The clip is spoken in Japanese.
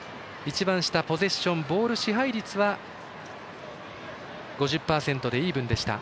ポゼッションボール支配率は５０％でイーブン。